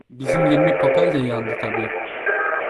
Bizim yirmi papel de yandı tabii…